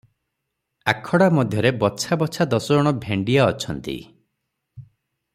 ଆଖଡା ମଧ୍ୟରେ ବଛା ବଛା ଦଶଜଣ ଭେଣ୍ଡିଆ ଅଛନ୍ତି ।